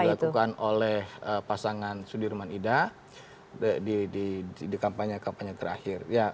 yang dilakukan oleh pasangan sudirman ida di kampanye kampanye terakhir